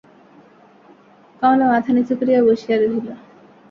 কমলা মাথা নিচু করিয়া বসিয়া রহিল।